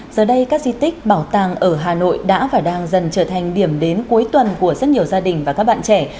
giờ đây các di tích bảo tàng ở hà nội đã và đang dần trở thành điểm đến cuối tuần của rất nhiều gia đình và các bạn trẻ